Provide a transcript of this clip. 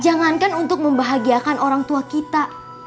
jangankan untuk membahagiakan orang tua kita